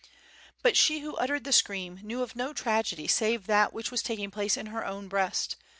"But she who uttered the scream knew of no tragedy save that which was taking place in her own breast.